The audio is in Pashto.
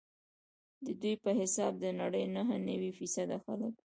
ددوی په حساب د نړۍ نهه نوي فیصده خلک.